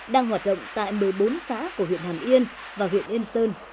đang hoạt động tại một mươi bốn xã của huyện hàm yên và huyện yên sơn